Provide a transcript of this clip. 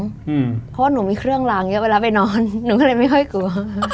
เพราะว่าหนูมีเครื่องล้างเยอะเวลาไปนอนหนูก็เลยไม่ค่อยกลัว